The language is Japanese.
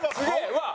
うわっ！